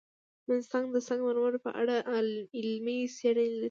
افغانستان د سنگ مرمر په اړه علمي څېړنې لري.